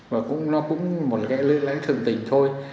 và nó cũng một lễ lễ thường tình thôi